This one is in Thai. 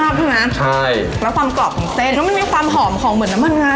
เชฟเอียนด่าไม่ได้นะ